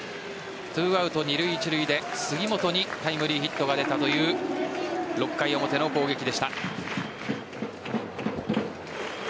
２アウト二塁・一塁で杉本にタイムリーヒットが出たという６回表の攻撃でした。